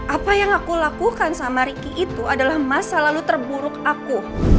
apa yang aku lakukan sama ricky itu adalah masa lalu terburuk aku